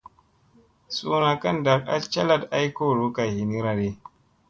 Suuna ka ndak a calat ay kolo kay ɦinira ɗi.